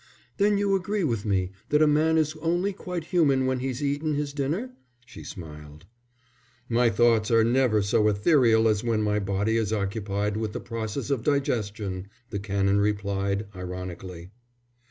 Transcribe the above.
"Then you agree with me, that a man is only quite human when he's eaten his dinner?" she smiled. "My thoughts are never so ethereal as when my body is occupied with the process of digestion," the Canon replied, ironically.